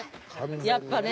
やっぱね。